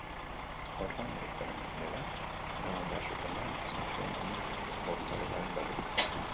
Haurra medikuarenera eraman behar zutenean izan zuen amak bortxaketaren berri.